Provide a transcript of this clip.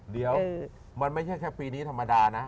เดี๋ยวมันไม่ใช่แค่ปีนี้ธรรมดานะ